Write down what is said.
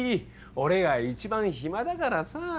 俺が一番暇だからさ。